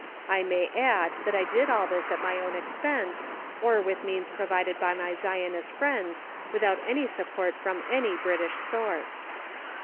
I may add that I did all this at my own expense, or with means provided by my Zionist friends, without any support from any British source.